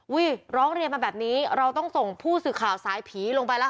ร้องเรียนมาแบบนี้เราต้องส่งผู้สื่อข่าวสายผีลงไปแล้วค่ะ